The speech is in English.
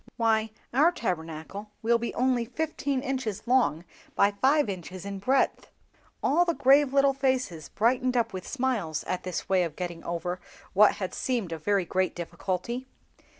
Why, our Tabernacle will be only fifteen inches long by five inches in breadth." All the grave little faces brightened up with smiles at this way of getting over what had seemed a very great difficulty.